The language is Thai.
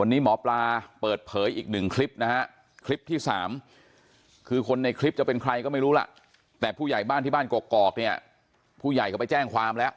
วันนี้หมอปลาเปิดเผยอีกหนึ่งคลิปนะฮะคลิปที่สามคือคนในคลิปจะเป็นใครก็ไม่รู้ล่ะแต่ผู้ใหญ่บ้านที่บ้านกอกเนี่ยผู้ใหญ่เขาไปแจ้งความแล้ว